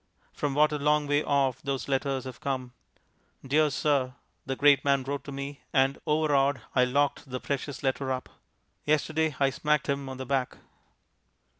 From what a long way off those letters have come. "Dear Sir," the Great Man wrote to me, and overawed I locked the precious letter up. Yesterday I smacked him on the back.